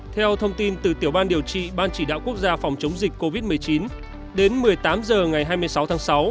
theo thông tin từ tiểu ban điều trị ban chỉ đạo quốc gia phòng chống dịch covid một mươi chín đến một mươi tám h ngày hai mươi sáu tháng sáu